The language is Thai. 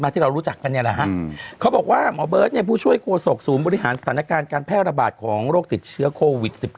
ที่เรารู้จักกันเนี่ยแหละฮะเขาบอกว่าหมอเบิร์ตผู้ช่วยโฆษกศูนย์บริหารสถานการณ์การแพร่ระบาดของโรคติดเชื้อโควิด๑๙